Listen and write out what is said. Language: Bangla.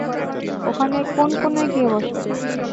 ওখানে কোন কোণায় গিয়ে বসো।